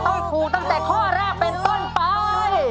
ต้องถูกตั้งแต่ข้อแรกเป็นต้นไป